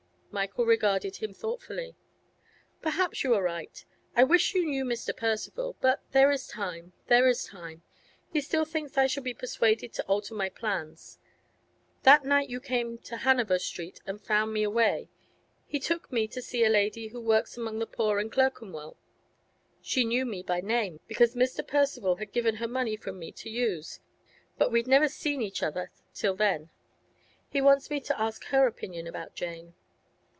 Michael regarded him thoughtfully. 'Perhaps you are right. I wish you knew Mr. Percival; but there is time, there is time. He still thinks I shall be persuaded to alter my plans. That night you came to Hanover Street and found me away, he took me to see a lady who works among the poor in Clerkenwell; she knew me by name, because Mr. Percival had given her money from me to use, but we'd never seen each other till then. He wants me to ask her opinion about Jane.